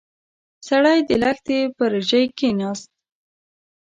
سړی د لښتي پر ژۍ کېناست.